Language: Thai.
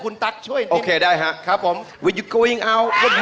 คุณตั๊กช่วยโอเคได้ฮะ